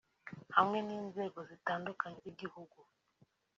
hamwe n’inzego zitandukanye z’igihugu